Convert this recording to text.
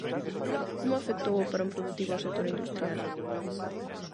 Como afectou o parón produtivo ao sector industrial?